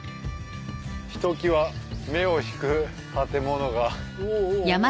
ひときわ目を引く建物がおおお。